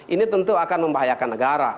ini tentu akan membahayakan negara